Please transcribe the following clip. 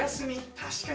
確かに！